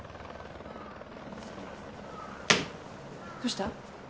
どうした？